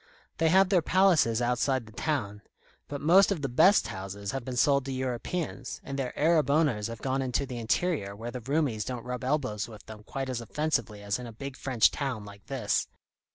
They have their palaces outside the town; but most of the best houses have been sold to Europeans, and their Arab owners have gone into the interior where the Roumis don't rub elbows with them quite as offensively as in a big French town like this.